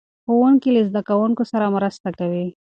ښوونکي له زده کوونکو سره مرسته کوي.